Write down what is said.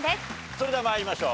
それでは参りましょう。